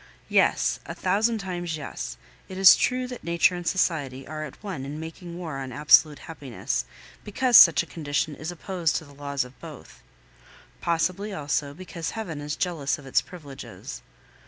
Yes, a thousand times, yes, it is true that nature and society are at one in making war on absolute happiness, because such a condition is opposed to the laws of both; possibly, also, because Heaven is jealous of its privileges.